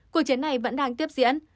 cuộc chiến này vẫn đang tiếp diễn